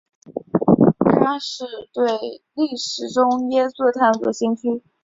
他是对历史中耶稣的探索的先驱。